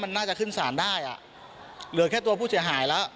มันน่าจะขึ้นสารได้อ่ะเหลือแค่ตัวผู้เสียหายแล้ว